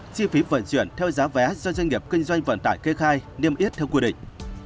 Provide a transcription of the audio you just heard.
chi phí vận chuyển theo giá vé do doanh nghiệp kinh doanh vận tải kê khai niêm yết theo quy định